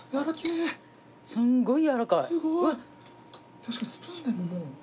確かにスプーンでももう。